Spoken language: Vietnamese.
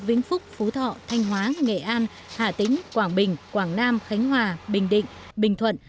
vĩnh phúc phú thọ thanh hóa nghệ an hà tĩnh quảng bình quảng nam khánh hòa bình định bình thuận